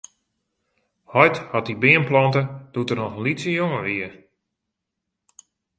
Heit hat dy beam plante doe't er noch in lytse jonge wie.